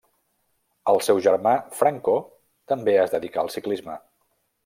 El seu germà Franco també es dedicà al ciclisme.